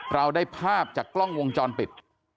เราได้ภาพจากกล้องวงจรปิด